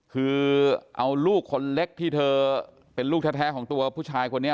คือเอาลูกคนเล็กที่เธอเป็นลูกแท้ของตัวผู้ชายคนนี้